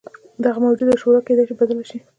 دغه موجوده شورا کېدای شي بدله شي.